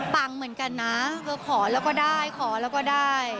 เหมือนกันนะคือขอแล้วก็ได้ขอแล้วก็ได้